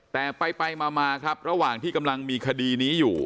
แต่ไปมาครับระหว่างที่กำลังมีคดีนี้อยู่